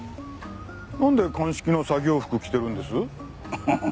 なんで鑑識の作業服着てるんです？